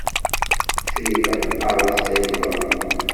Crifa teɣɣar-as Saɛid Waɛmaṛ.